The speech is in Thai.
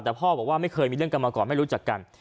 แต่พ่อบอกว่าไม่เคยมีเรื่องกันมาก่อนไม่รู้จักกัน